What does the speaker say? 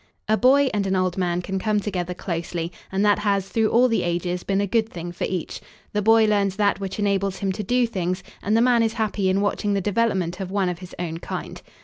A boy and an old man can come together closely, and that has, through all the ages, been a good thing for each. The boy learns that which enables him to do things and the man is happy in watching the development of one of his own kind.